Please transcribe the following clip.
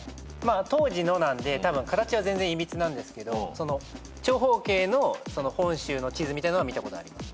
当時のなんで形は全然いびつなんですけど長方形の本州の地図みたいなのは見たことあります。